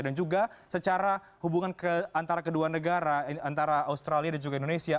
dan juga secara hubungan antara kedua negara antara australia dan juga indonesia